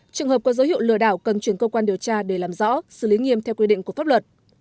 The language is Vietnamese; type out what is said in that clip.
trường hợp có dấu hiệu lừa đảo cần chuyển cơ quan điều tra để làm rõ xử lý nghiêm theo quy định của pháp luật